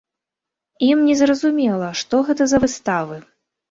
Ім незразумела, што гэта за выставы.